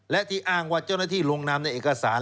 และที่อ้างว่าเจ้าหน้าที่ลงนำในเอกสาร